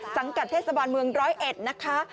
กัดเทศบาลเมืองร้อยเอ็ดนะคะ